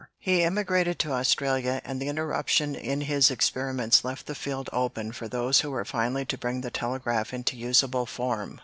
He emigrated to Australia, and the interruption in his experiments left the field open for those who were finally to bring the telegraph into usable form.